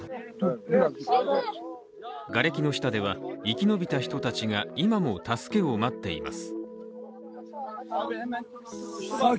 がれきの下では生き延びた人たちが今も助けを待っています。